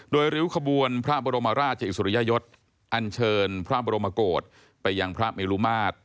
โดยริ้วขบวนพระบรมราชอิสริยยศอันเชิญพระบรมโกศไปยังพระเมลุมาตร